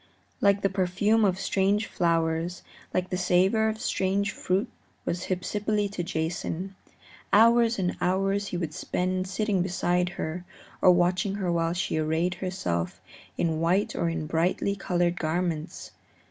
Like the perfume of strange flowers, like the savor of strange fruit was Hypsipyle to Jason. Hours and hours he would spend sitting beside her or watching her while she arrayed herself in white or in brightly colored garments.